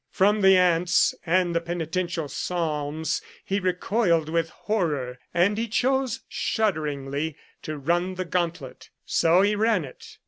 From the ants and the penitential psalms he recoiled with horror, and he chose shudderingly to run the gauntlet So he ran it.